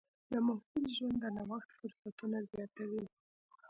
د محصل ژوند د نوښت فرصتونه زیاتوي.